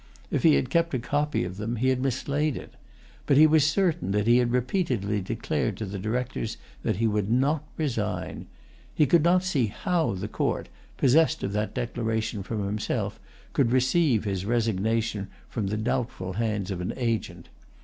If he had kept a copy of them he had mislaid it. But he was certain that he had repeatedly declared to the Directors that he would not resign. He could not see how the court, possessed of that declaration from himself, could receive his resignation from the doubtful hands of an agent.